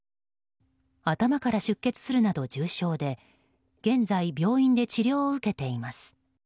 頭から出血するなど重傷で現在、病院で治療を受けています。